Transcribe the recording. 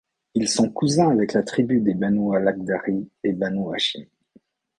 Ils sont cousins avec la tribu des Banu al-Akhdari et Banu hâshim.